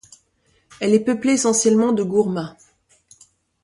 Elle est peuplée essentiellement de Gourma.